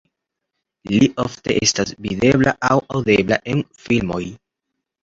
Li ofte estas videbla aŭ aŭdebla en filmoj.